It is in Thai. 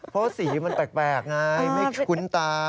เพราะสีมันแปลกไงไม่คุ้นตา